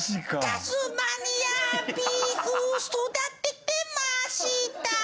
「タスマニアビーフを育ててました」